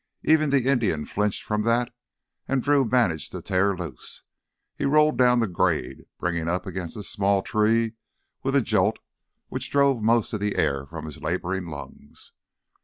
Even the Indian flinched from that and Drew managed to tear loose. He rolled down the grade, bringing up against a small tree with a jolt which drove most of the air from his laboring lungs.